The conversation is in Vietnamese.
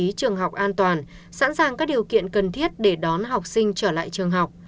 các tiêu chí trường học an toàn sẵn sàng các điều kiện cần thiết để đón học sinh trở lại trường học